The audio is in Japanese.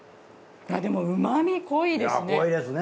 でも旨み濃いですね。